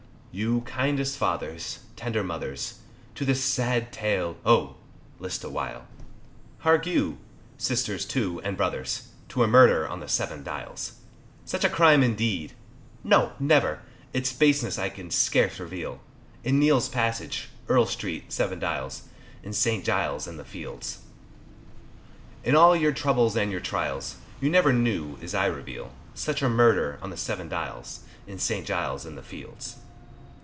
You kindest fathers, tender mothers, To this sad tale, oh! list awhile, Hark you, sisters, too, and brothers, To a murder on the Seven Dials; Such a crime indeed, no never! Its baseness I can scarce reveal, In Neal's Passage, Earl Street, Seven Dials, In St. Giles's in the fields. In all your troubles and your trials, You never knew, as I reveal, Such a murder, on the Seven Dials, In St. Giles's in the fields.